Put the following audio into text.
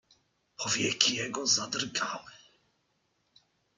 "Powieki jego zadrgały."